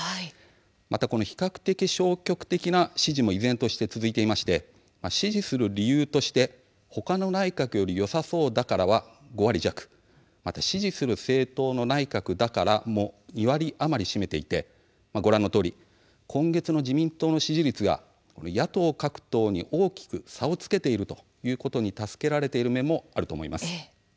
また、比較的消極的な支持も依然として続いていまして支持する理由として他の内閣よりよさそうだからは５割弱また、支持する政党の内閣だからも２割余り占めていてご覧のとおり今月の自民党の支持率が野党、各党に大きく差をつけているということに助けられている面もあると思います。